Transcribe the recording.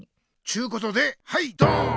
ちゅうことではいドーン！